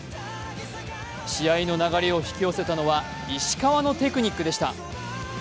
試合の流れを引き寄せたのは石川のテクニックでした。